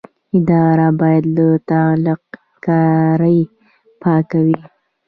اداره باید له تقلب کارۍ پاکه وي.